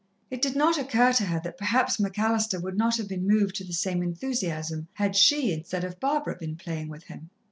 It did not occur to her that perhaps McAllister would not have been moved to the same enthusiasm had she, instead of Barbara, been playing with him.